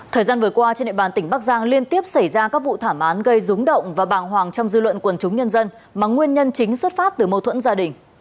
thời gian vừa qua trên địa bàn tỉnh bắc giang liên tiếp xảy ra các vụ thảm án gây rúng động và bàng hoàng trong dư luận quần chúng nhân dân mà nguyên nhân chính xuất phát từ mâu thuẫn gia đình